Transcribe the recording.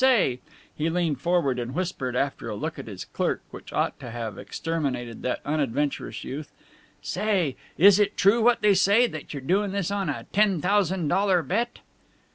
Say," he leaned forward and whispered, after a look at his clerk which ought to have exterminated that unadventurous youth "say, is it true what they say, that you're doing this on a ten thousand dollar bet?"